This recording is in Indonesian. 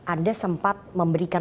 anda sempat memberikan